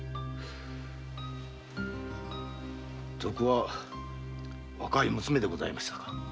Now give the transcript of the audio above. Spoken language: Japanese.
賊は若い娘でございましたか！？